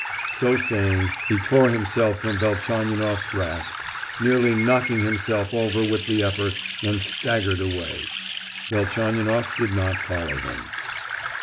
So saying he tore himself from Velchaninoff's grasp, nearly knocking himself over with the effort, and staggered away. Velchaninoff did not follow him.